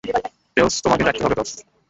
Tales, তোমাকে জাগতে হবে, দোস্ত।